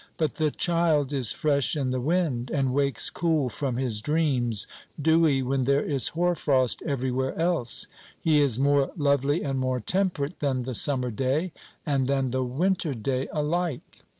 But the child is fresh in the wind, and wakes cool from his dreams, dewy when there is hoar frost everywhere else; he is "more lovely and more temperate" than the summer day and than the winter day alike.